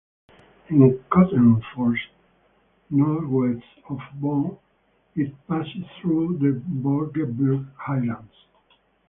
In Kottenforst, northwest of Bonn, it passed through the Vorgebirge highlands.